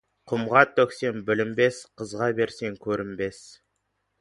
Құмға төккен білінбес, қызға берген көрінбес.